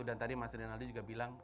dan tadi mas rinaldi juga bilang